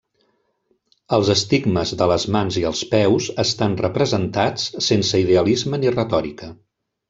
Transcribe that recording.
Els estigmes de les mans i els peus estan representats sense idealisme ni retòrica.